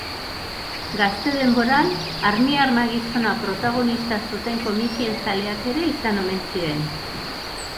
Gazte denboran armiarma gizona protagonista zuten komikien zaleak ere izan omen ziren.